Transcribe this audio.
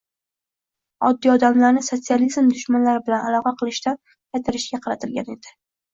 oddiy odamlarni “sotsializm dushmanlari” bilan aloqa qilishdan qaytarishga qaratilgan edi.